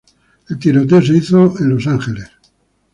El tiroteo se hizo a Los Angeles.